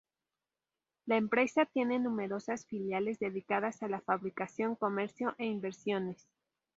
La empresa tiene numerosas filiales dedicadas a la fabricación, comercio e inversiones.